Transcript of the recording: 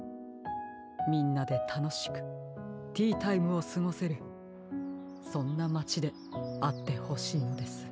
みんなでたのしくティータイムをすごせるそんなまちであってほしいのです。